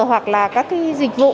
hoặc là các cái dịch vụ